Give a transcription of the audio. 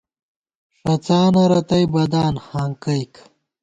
ݭڅانہ رتئ بَدان (ہانکَئیک)